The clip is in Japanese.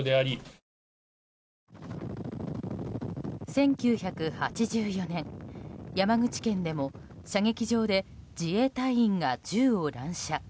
１９８４年、山口県でも射撃場で自衛隊員が銃を乱射。